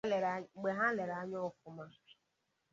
Mgbe ha lere anya ọfụma